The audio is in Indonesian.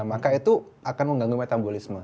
maka itu akan mengganggu metabolisme